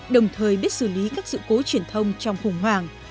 đồng thời biết xử lý các sự cố truyền thông trong khủng hoảng